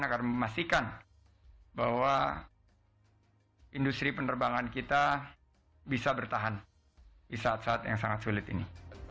agar memastikan bahwa industri penerbangan kita bisa bertahan di saat saat yang sangat sulit ini